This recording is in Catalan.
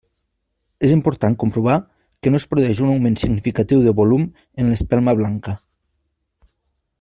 És important comprovar que no es produeix un augment significatiu del volum en l'espelma blanca.